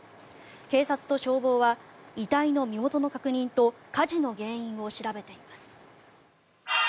警察と消防は遺体の身元の確認と火事の原因を調べています。